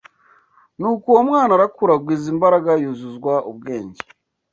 Nuko uwo mwana arakura, agwiza imbaraga, yuzuzwa ubwenge